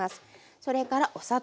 それからお砂糖。